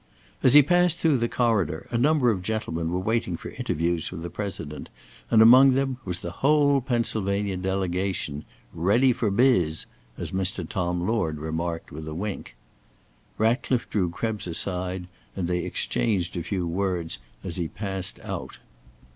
As he passed through the corridor, a number of gentlemen were waiting for interviews with the President, and among them was the whole Pennsylvania delegation, "ready for biz," as Mr. Tom Lord remarked, with a wink. Ratcliffe drew Krebs aside and they exchanged a few words as he passed out.